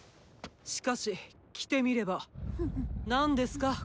しかし来てみれば何ですか？